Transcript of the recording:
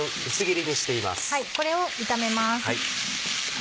これを炒めます。